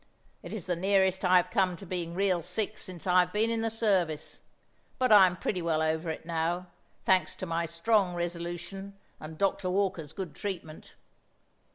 It is the nearest I have come to being real sick since I have been in the service; but I am pretty well over it now, thanks to my strong resolution and Dr. Walker's good treatment.